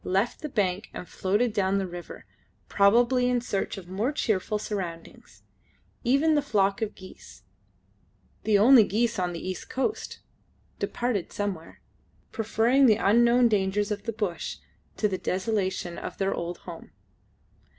left the bank and floated down the river, probably in search of more cheerful surroundings; even the flock of geese "the only geese on the east coast" departed somewhere, preferring the unknown dangers of the bush to the desolation of their old home.